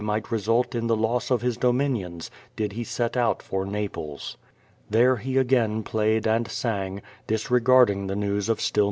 t result in the loss of his dominions did he set out for Napl es. Ti^re he again played and sang, disregarding the news of stil!